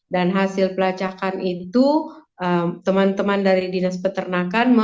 dan hasil pelacakan itu teman teman dari dinas peternakan